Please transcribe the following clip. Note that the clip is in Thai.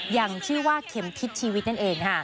อย่างชื่อว่าเข็มพิษชีวิตนั่นเองค่ะ